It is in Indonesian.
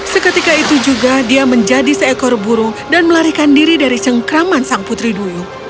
seketika itu juga dia menjadi seekor burung dan melarikan diri dari cengkraman sang putri dulu